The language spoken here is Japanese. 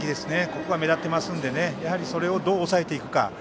ここが目立っていますのでそれをどう抑えていくか。